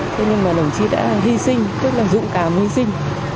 thế nên mà đồng chí đã hy sinh rất là dũng cảm hy sinh